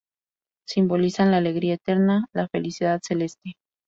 Simbolizan la alegría eterna, la felicidad celeste.